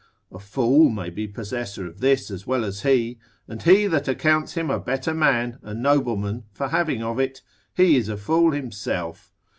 a fool may be possessor of this as well as he; and he that accounts him a better man, a nobleman for having of it, he is a fool himself.